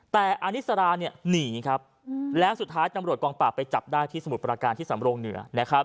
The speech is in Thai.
แต่อานิสราเนี่ยหนีครับแล้วสุดท้ายตำรวจกองปราบไปจับได้ที่สมุทรประการที่สำรงเหนือ